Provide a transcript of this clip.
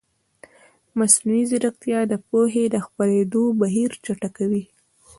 مصنوعي ځیرکتیا د پوهې د خپرېدو بهیر چټکوي.